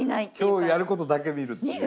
今日やることだけ見るっていう。